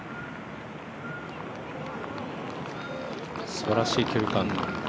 すばらしい距離感。